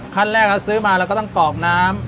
ขั้นแรกเราซื้อมาเราก็ต้องกรอกน้ำ